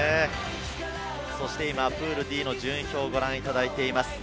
そして今、プールＤの順位表をご覧いただいています。